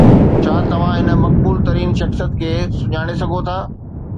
ڇا توهان هن مقبول ترين شخصيت کي سڃاڻي سگهو ٿا؟